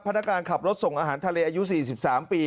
นักการขับรถส่งอาหารทะเลอายุ๔๓ปี